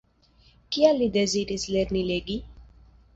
Kial li deziris lerni legi?